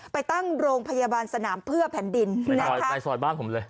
ไปตั้งโรงพยาบาลสนามเพื่อแผ่นดินในซอยในซอยบ้านผมเลย